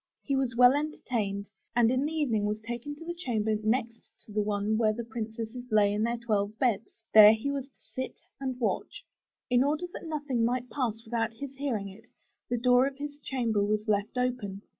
He was well entertained, and in the evening was taken to the chamber next to the one where the princesses lay in their twelve beds. There he was to sit and watch. In order that nothing might pass without his hearing it, the door of his chamber was left open.